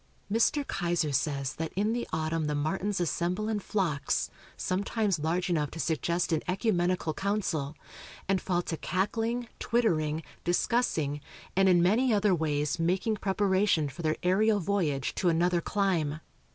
Mr. Keyser says that in the autumn the martins assemble in flocks, sometimes large enough to suggest an ecumenical council, and fall to cackling, twittering, discussing, and in many other ways making preparation for their aerial voyage to another clime.